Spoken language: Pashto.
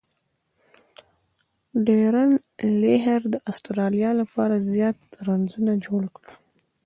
ډیرن لیهر د اسټرالیا له پاره زیات رنزونه جوړ کړل.